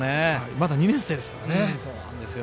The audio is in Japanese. まだ２年生ですからね。